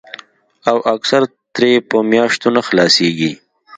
او اکثر ترې پۀ مياشتو نۀ خلاصيږي